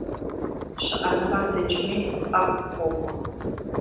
Шыӏэныгъэр дыджми, ӏэфӏ къыпокӏуэ.